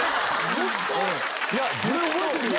ずっと⁉それ覚えてるよ！